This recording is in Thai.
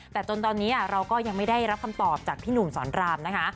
แต่จนตอนนี้เราก็ยังไม่ได้รับคำตอบจากพี่หนุ่มสอนรามนะคะ